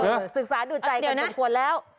เออศึกษาดูจัยกันสมควรแล้ว